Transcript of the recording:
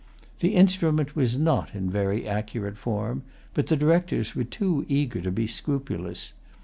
The instrument was not in very accurate form; but the Directors were too eager to be scrupulous.